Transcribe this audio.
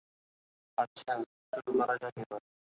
আচ্ছা, শুরু করা যাক এবার!